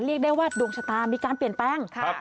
เรียกได้ว่าดวงชะตามีการเปลี่ยนแปลง